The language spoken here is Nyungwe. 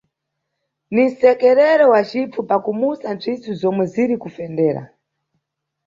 Ni msekerero wa cipfu pa kumusa mpsisu zomwe ziri kufendera.